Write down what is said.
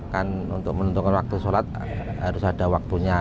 kan untuk menentukan waktu sholat harus ada waktunya